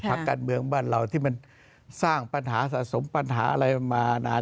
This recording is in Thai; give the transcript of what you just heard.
พักการเมืองบ้านเราที่มันสร้างปัญหาสะสมปัญหาอะไรมานาน